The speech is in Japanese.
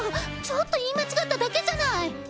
ちょっと言い間違っただけじゃない！